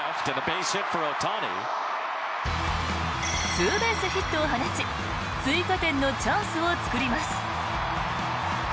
ツーベースヒットを放ち追加点のチャンスを作ります。